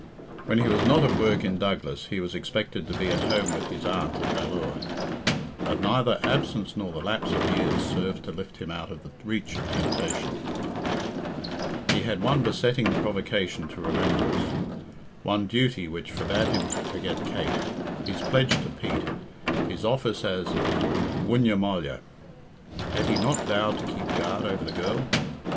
When he was not at work in Douglas he was expected to be at home with his aunt at Ballure. But neither absence nor the lapse of years served to lift him out of the reach of temptation. He had one besetting provocation to remembrance one duty which forbade him to forget Kate his pledge to Pete, his office as Dooiney Molla. Had he not vowed to keep guard over the girl?